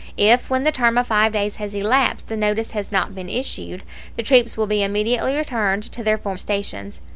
If when the term of five days has elapsed the notice has not been issued, the troops will be immediately returned to their former stations."